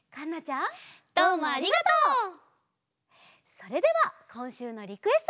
それではこんしゅうのリクエストで。